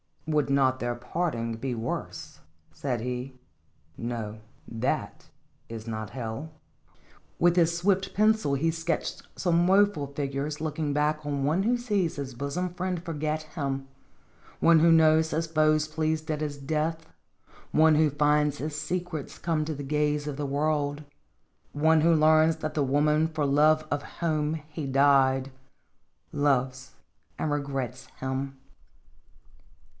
" Would not their parting be worse?" said he. " Nothat is not hell." With his swift pencil he sketched some woeful figures looking back one who sees his bosom friend forget him ; one who knows his foe pleased at his death ; one who finds his secrets come to the gaze of the world ; one who learns that the woman for love of whom he died loves and regrets him.